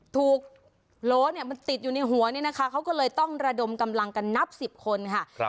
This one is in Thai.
โหลเนี่ยมันติดอยู่ในหัวเนี่ยนะคะเขาก็เลยต้องระดมกำลังกันนับสิบคนค่ะ